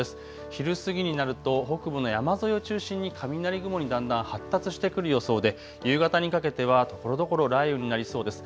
昼過ぎになると北部の山沿いを中心に雷雲になり発達してくる予想で夕方にかけてはところどころ雷雨になりそうです。